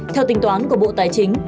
theo tính toán của bộ tài chính